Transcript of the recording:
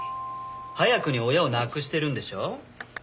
早くに親を亡くしてるんでしょ？